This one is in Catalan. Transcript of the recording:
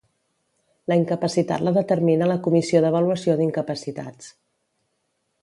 La incapacitat la determina la Comissió d'Avaluació d'Incapacitats.